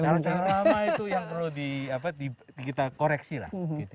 cara cara lama itu yang perlu kita koreksi lah